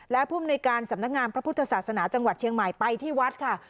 และภูมิในการสำนักงานพระพุทธศาสนาจังหวัดเชียงใหม่ไปที่วัดค่ะ